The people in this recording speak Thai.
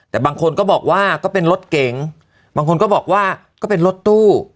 แต่บางคนก็บอกว่าก็เป็นรถเก๋งบางคนก็บอกว่าก็เป็นรถตู้